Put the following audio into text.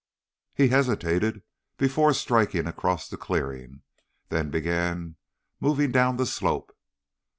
He hesitated before striking across the clearing, then began moving down the slope.